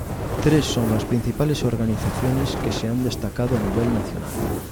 Tres son las principales organizaciones que se han destacado a nivel nacional.